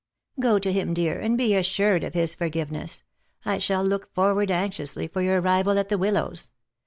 ^" Go to him, dear, and be assured of his forgiveness. I shall look forward anxiously for your arrival at the Willows.